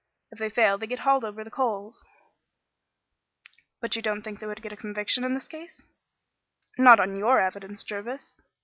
If they fail they get hauled over the coals." "But don't you think they would get a conviction in this case?" "Not on your evidence, Jervis.